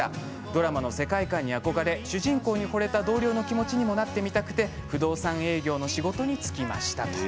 ドラマの世界観に憧れ主人公にほれた同僚の気持ちにもなってみたくて不動産営業の仕事に就きました。